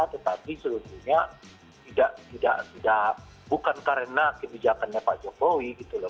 tetapi sebetulnya bukan karena kebijakannya pak jombowi gitu loh